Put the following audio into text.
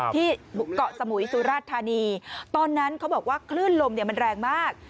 ที่เกาะสมุยสุราชธานีตอนนั้นเขาบอกว่าคลื่นลมมันแรงมาก